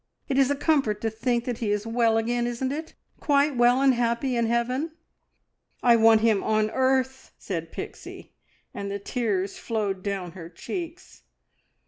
It is a comfort to think that he is well again, isn't it? Quite well and happy in heaven!" "I want him on earth!" said Pixie, and the tears flowed down her cheeks.